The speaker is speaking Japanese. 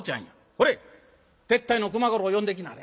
これ手伝いの熊五郎呼んできなはれ。